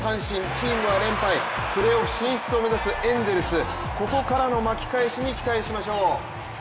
チームは連敗、プレーオフ進出を目指すエンゼルス、ここからの巻き返しに期待しましょう。